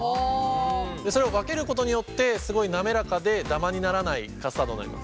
それを分けることによってすごい滑らかでダマにならないカスタードになります。